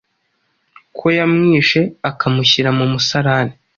ko yamwishe akamushyira mu musarani,